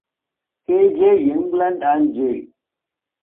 K. J. Englund and J.